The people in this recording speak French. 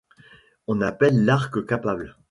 On l'appelle l'arc capable.